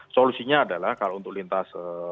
solusinya adalah kalau untuk lintas